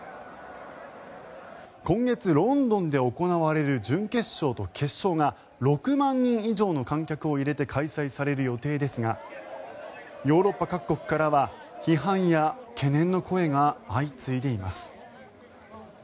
今月、ロンドンで行われる準決勝と決勝が６万人以上の観客を入れて開催される予定ですがヨーロッパ各国からは批判や懸念の声が相次いでいます。